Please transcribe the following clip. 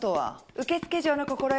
受付嬢の心得